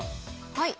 はい。